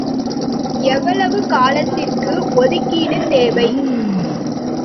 எவ்வளவு காலத்திற்கு ஒதுக்கீடு தேவை?